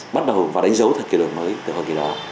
bắt đầu và đánh dấu thời kỳ đổi mới từ hội kỳ đó